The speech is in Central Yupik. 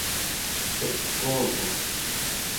ekuaguq